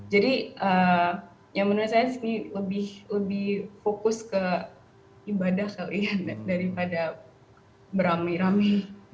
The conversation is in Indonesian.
jadi yang menurut saya lebih fokus ke ibadah kali ya daripada beramai ramai